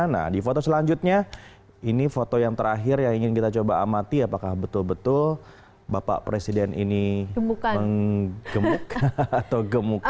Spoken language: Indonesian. nah di foto selanjutnya ini foto yang terakhir yang ingin kita coba amati apakah betul betul bapak presiden ini menggemuk atau gemuk